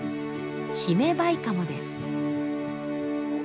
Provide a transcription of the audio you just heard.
ヒメバイカモです。